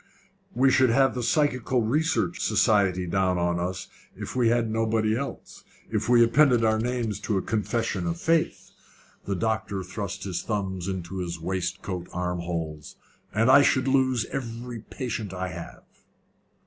"We should have the Psychical Research Society down on us, if we had nobody else, if we appended our names to a confession of faith." The doctor thrust his thumbs into his waistcoat arm holes. "And I should lose every patient I have."